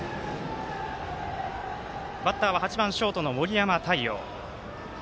バッターは８番ショートの森山太陽。